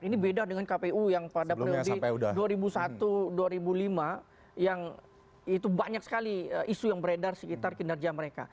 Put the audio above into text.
ini beda dengan kpu yang pada periode dua ribu satu dua ribu lima yang itu banyak sekali isu yang beredar sekitar kinerja mereka